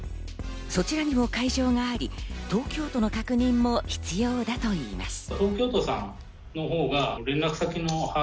そちらにも会場があり、東京都の確認も必要だといいます。